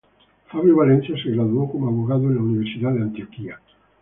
Fabio Valencia se graduó como abogado de la Universidad de Antioquia.